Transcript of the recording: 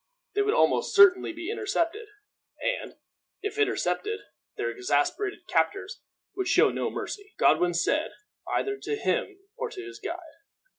They would almost certainly be intercepted; and, if intercepted, their exasperated captors would show no mercy, Godwin said, either to him or to his guide.